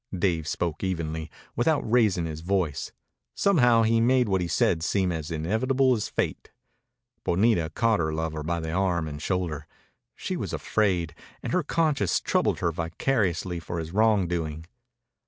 Dave spoke evenly, without raising his voice. Somehow he made what he said seem as inevitable as fate. Bonita caught her lover by the arm and shoulder. She was afraid, and her conscience troubled her vicariously for his wrongdoing.